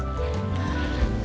ma aku ke kantor dulu ya